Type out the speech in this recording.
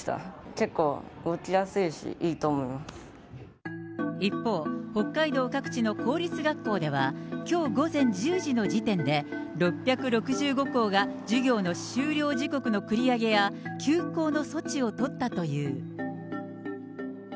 結構動きやすいし、いいと思いま一方、北海道各地の公立学校では、きょう午前１０時の時点で、６６５校が授業の終了時刻の繰り上げや、休校の措置を取ったという。